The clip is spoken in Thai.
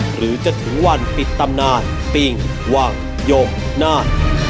หรือจะถึงวันปิดตำนานปิงว่างโยมนาค